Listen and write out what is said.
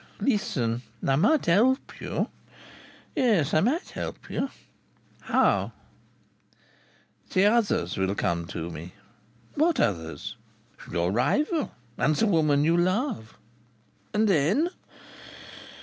"Listen! I might help you. Yes, I might help you." "How?" "The others will come to me." "What others?" "Your rival. And the woman you love." "And then?"